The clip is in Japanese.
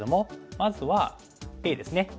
まずはＡですね。